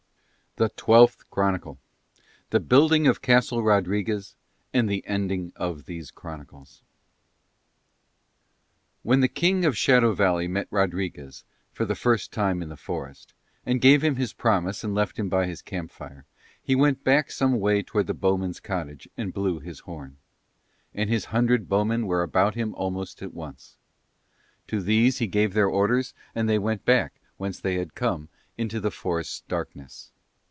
THE TWELFTH CHRONICLE THE BUILDING OF CASTLE RODRIGUEZ AND THE ENDING OF THESE CHRONICLES When the King of Shadow Valley met Rodriguez, for the first time in the forest, and gave him his promise and left him by his camp fire, he went back some way towards the bowmen's cottage and blew his horn; and his hundred bowmen were about him almost at once. To these he gave their orders and they went back, whence they had come, into the forest's darkness.